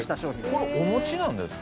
これお餅なんですか？